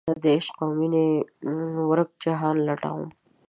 دعشق اومینې ورک جهان لټوم